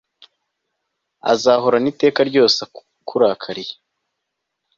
azahorana iteka ryose akurakariye